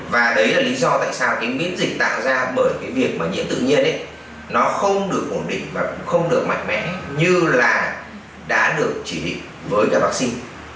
và đấy là lý do tại sao cái miễn dịch tạo ra bởi cái việc mà nhiễm tự nhiên ấy nó không được ổn định và cũng không được mạnh mẽ như là đã được chỉ định với các vaccine